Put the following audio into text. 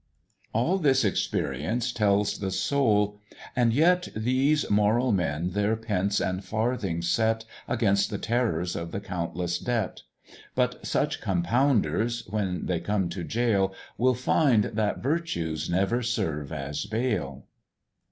"All this experience tells the Soul, and yet These moral men their pence and farthings set Against the terrors of the countless Debt; But such compounders, when they come to jail, Will find that Virtues never serve as bail.